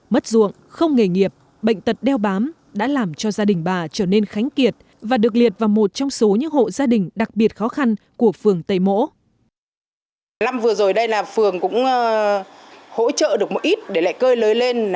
mất ruộng không nghề nghiệp bệnh tật đeo bám đã làm cho gia đình bà trở nên khánh kiệt và được liệt vào một trong số những hộ gia đình đặc biệt khó khăn của phường tây mỗ